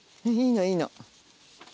いいのいいの。